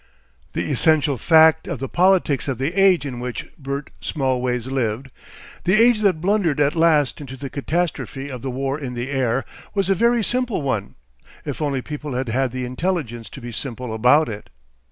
The essential fact of the politics of the age in which Bert Smallways lived the age that blundered at last into the catastrophe of the War in the Air was a very simple one, if only people had had the intelligence to be simple about it.